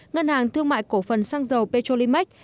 ngân hàng thương mại cổ phần xăng dầu petrolimax